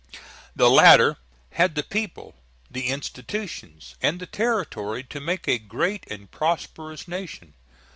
The latter had the people, the institutions, and the territory to make a great and prosperous nation.